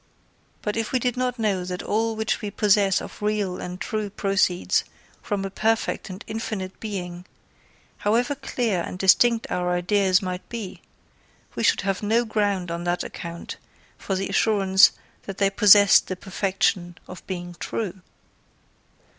But if we did not know that all which we possess of real and true proceeds from a Perfect and Infinite Being, however clear and distinct our ideas might be, we should have no ground on that account for the assurance that they possessed the perfection of being true.